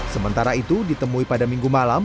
sementara itu ditemui pada minggu malam